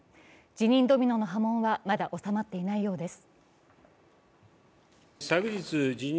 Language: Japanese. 辞任ドミノの波紋はまだ収まっていないようです。